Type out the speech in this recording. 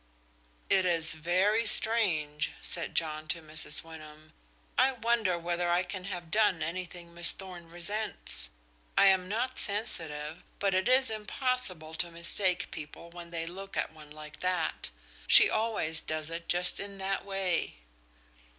"It is very strange," said John to Mrs. Wyndham. "I wonder whether I can have done anything Miss Thorn resents. I am not sensitive, but it is impossible to mistake people when they look at one like that. She always does it just in that way."